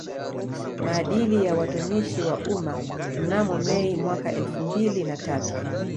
Maadili ya Watumishi wa Umma mnamo Mei mwaka elfumbili na tatu